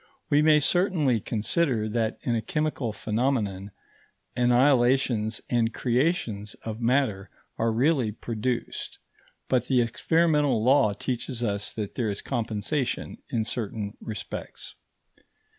We may certainly consider that in a chemical phenomenon annihilations and creations of matter are really produced; but the experimental law teaches us that there is compensation in certain respects.